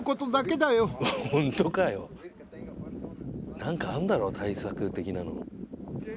何かあんだろう対策的なの。